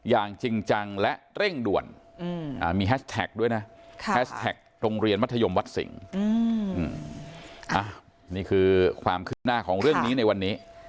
อย่างจริงจังและเร่งด่วนมีแฮชแท็กด้วยนะแฮชแท็กโรงเรียนมัธยมวัดสิงนี่คือความคืบหน้าของเรื่องนี้ในวันนี้